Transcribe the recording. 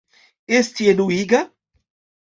Esti enuiga?